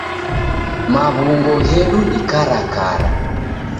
Maw'ungo ghedu ni karakara.